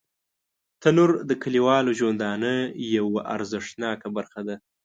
تنور د کلیوالو ژوندانه یوه ارزښتناکه برخه ده